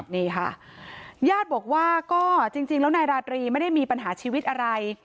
นี่ค่ะญาติบอกว่าก็จริงแล้วนายราตรีไม่ได้มีปัญหาชีวิตอะไร